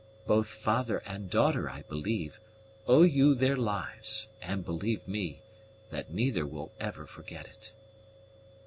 "Both father and daughter, I believe, owe you their lives, and believe me, that neither will ever forget it."